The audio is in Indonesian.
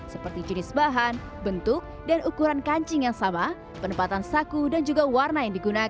seperti jenis bahan bentuk dan ukuran kancing yang sama penempatan saku dan juga warna yang digunakan